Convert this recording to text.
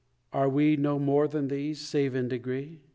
Are we no more than these, save in degree?